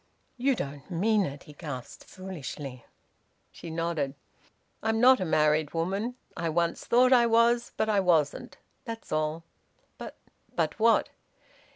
"You don't mean it!" He gasped foolishly. She nodded. "I'm not a married woman. I once thought I was, but I wasn't. That's all." "But " "But what?"